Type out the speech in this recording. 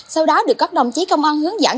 sau đó được các đồng chí công an hướng dẫn